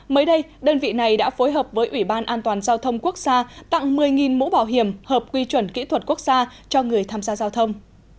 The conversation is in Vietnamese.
mới đây đơn vị này đã phối hợp với ủy ban an toàn giao thông quốc gia tặng một mươi mũ bảo hiểm hợp quy chuẩn kỹ thuật quốc gia cho người tham gia giao thông